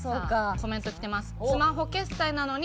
コメント来てます。